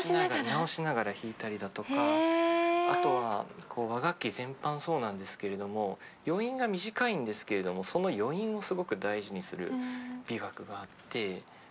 直しながら弾いたりだとかあとは和楽器全般そうなんですけれど余韻が短いんですけれどもその余韻をすごく大事にする美学があって。